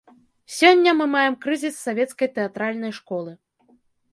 Сёння мы маем крызіс савецкай тэатральнай школы.